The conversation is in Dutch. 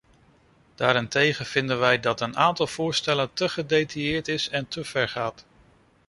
Daarentegen vinden wij dat een aantal voorstellen te gedetailleerd is en te ver gaat.